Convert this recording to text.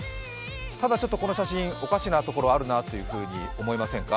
ただちょっとこの写真、おかしなとこあるなと思いませんか？